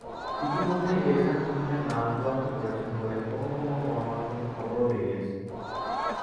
ইতিমধ্যে এরশাদ তিনজনের নাম চূড়ান্ত করেছেন বলে কোনো কোনো গণমাধ্যমে খবরও বেরিয়েছে।